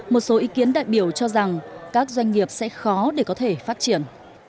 một số ý kiến đại biểu cho rằng các doanh nghiệp sẽ khó để có thể phát triển